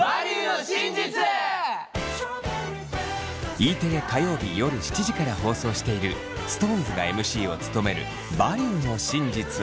Ｅテレ火曜日夜７時から放送しているＳｉｘＴＯＮＥＳがＭＣを務める「バリューの真実」。